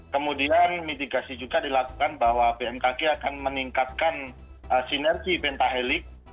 kemudian mitigasi juga dilakukan bahwa bmkg akan meningkatkan sinergi pentahelik